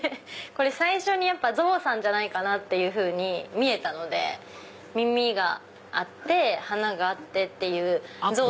最初にゾウさんじゃないかなって見えたので耳があって鼻があってっていう。